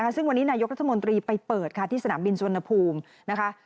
ซึ่งวันนี้นายกรัฐมนตรีไปเปิดค่ะที่สนามบินสุวรรณภูมินะคะ